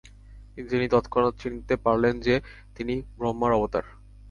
তিনি তৎক্ষণাত চিনতে পারলেন যে তিনি ব্রহ্মার অবতার ।